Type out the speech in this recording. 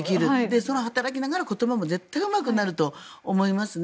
働きながら言葉も絶対にうまくなると思いますね。